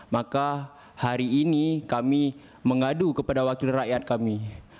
maka hari ini kami mengadu kepada wakil rakyat kami